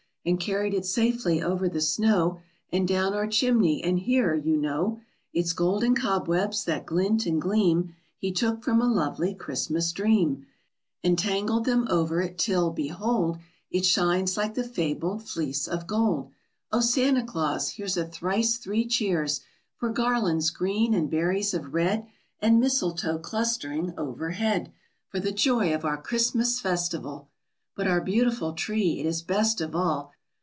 And carried it safely over the snow And down our chimney and here, you know; Its golden cobwebs that glint and gleam He took from a lovely Christmas dream And tangled them over it till, behold, It shines like the fabled Fleece of Gold! Oh, Santa Claus, here's A thrice three cheers For garlands green and berries of red, And mistletoe clustering overhead, For the joy of our Christmas festival! But our beautiful tree, it is best of all!